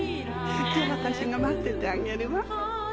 じゃあ私が待っててあげるわ。